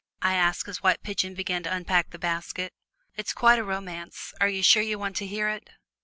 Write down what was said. I asked, as White Pigeon began to unpack the basket. "It's quite a romance; are you sure you want to hear it?"